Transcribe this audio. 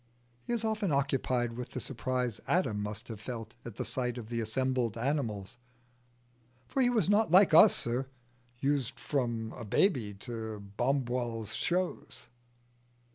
He is often occupied with the surprise Adam must have felt at the sight of the assembled animals "for he was not like us, sir, used from a b'y to Wombwell's shows."